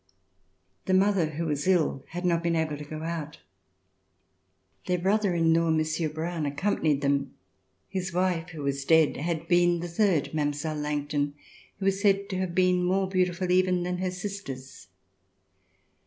The mother who was ill had not been able to go out. Their brother in law, Monsieur Broun, accompanied them. Mis wife who was dead had been the third Mile. Langton, who was said to have been more beautiful even than her sisters.